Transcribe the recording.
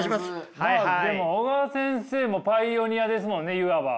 でも小川先生もパイオニアですもんねいわば。